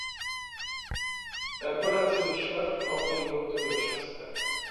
তারপর আছেন ঈশ্বর, অপরিবর্তনীয় শাস্তা।